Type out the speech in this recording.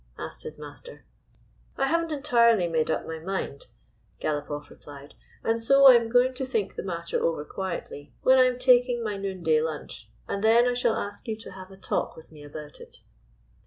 asked liis master. " I have n't entirely made up my mind," Galopoff replied, " and so I am going to think the matter over quietly when I am taking my noonday lunch, and then I shall ask you to have a talk with me about it."